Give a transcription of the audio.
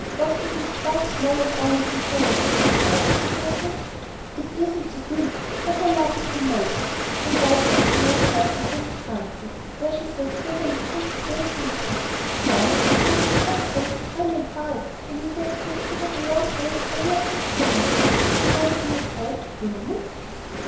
Boston seems quite small and dull in comparison, doesn't it, Röslein?" "It isn't so big, but I love it the most," replied that small person from the front seat, where she sat soberly taking all things in. "Mamma, Uncle Geoff says I may drive when we get to the foot of a long hill we are just coming to. You won't be afraid, will you?"